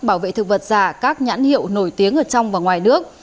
bảo vệ thực vật giả các nhãn hiệu nổi tiếng ở trong và ngoài nước